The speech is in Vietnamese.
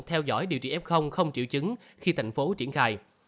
theo dõi điều trị f không triệu chứng khi thành phố triển khai